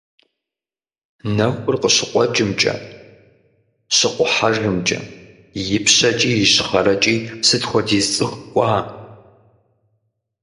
Нэхур къыщыкъуэкӀымкӀэ, щыкъухьэжымкӀэ, ипщэкӀи, ищхъэрэкӀи сыт хуэдиз цӀыху кӀуа!